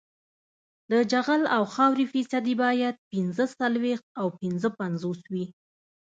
د جغل او خاورې فیصدي باید پینځه څلویښت او پنځه پنځوس وي